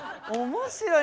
面白い。